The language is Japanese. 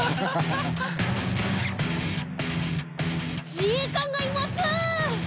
自衛官がいます。